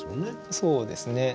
そうですね。